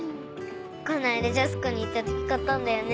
この間ジャスコに行った時買ったんだよね。